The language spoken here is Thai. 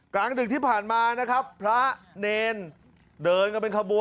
กลางดึกที่ผ่านมานะครับพระเนรเดินกันเป็นขบวน